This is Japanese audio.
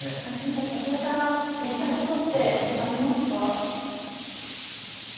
下崎さん、これからやりたいことってありますか。